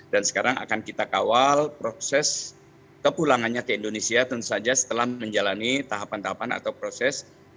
dan sekarang akan kita kawal proses kepulangannya ke indonesia tentu saja setelah menjalani tahapan tahapan atau proses